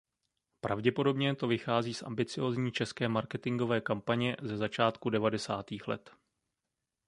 Pravděpodobně to vychází z ambiciózní české marketingové kampaně ze začátku devadesátých let.